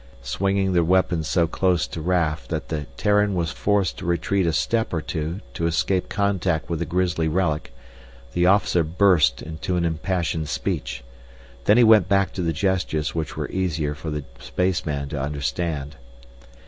Swinging the weapon so close to Raf that the Terran was forced to retreat a step or two to escape contact with the grisly relic, the officer burst into an impassioned speech. Then he went back to the gestures which were easier for the spaceman to understand.